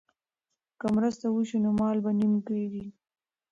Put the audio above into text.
که مرسته وشي نو مال به نیم کیږي.